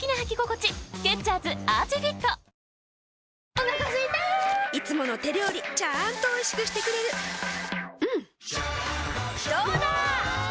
お腹すいたいつもの手料理ちゃんとおいしくしてくれるジューうんどうだわ！